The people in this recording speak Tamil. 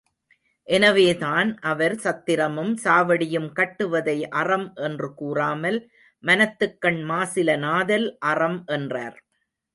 எனவேதான் அவர், சத்திரமும் சாவடியும் கட்டுவதை அறம் என்று கூறாமல் மனத்துக் கண் மாசிலனாதல் அறம் என்றார்.